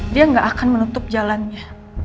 dia gak akan menutup jalannya